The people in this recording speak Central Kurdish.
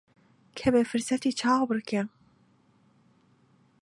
کە بێ فرسەتی چاوەبڕکێ